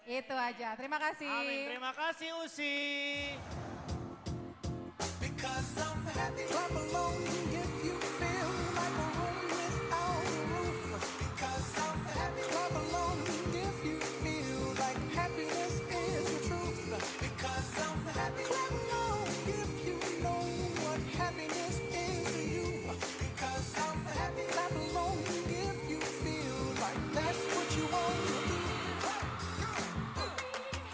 itu aja terima kasih